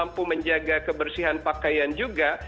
menjaga kebersihan pakaian juga